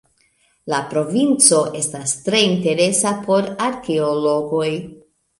La provinco estas tre interesa por arkeologoj.